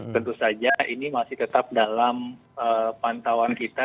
tentu saja ini masih tetap dalam pantauan kita